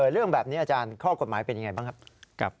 เรื่องแบบนี้อาจารย์ข้อกฎหมายเป็นยังไงบ้างครับ